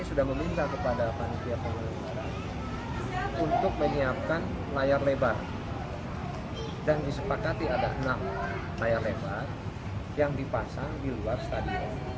untuk menyiapkan layar lebar dan disepakati ada enam layar lebar yang dipasang di luar stadion